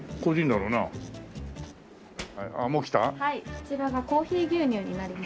こちらがコーヒー牛乳になりますね。